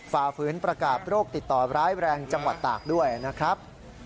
ฝ่าฝืนประกาศโรคติดต่อร้ายแรงจังหวัดตากด้วยนะครับ